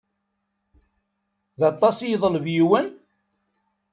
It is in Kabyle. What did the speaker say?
D aṭas i yeḍleb yiwen?